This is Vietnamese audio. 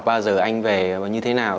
bao giờ anh về và như thế nào